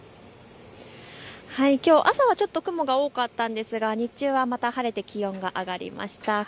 きょう朝は雲が多かったんですが日中は晴れて気温が上がりました。